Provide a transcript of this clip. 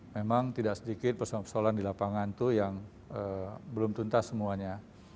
memang tidak sedikit persoalan persoalan di lapangan itu yang belum tuntas semuanya